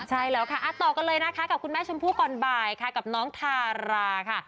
ใช่แล้วค่ะต่อกันเลยนะคะกับคุณแม่ชมพู่ก่อนบ่ายค่ะกับน้องทาราค่ะ